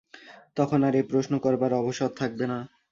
তখন আর এ প্রশ্ন করবার অবসর থাকবে না।